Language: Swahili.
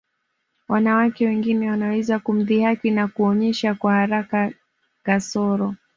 Wanawake wengine wanaweza kumdhihaki na kuonyesha kwa haraka kasoro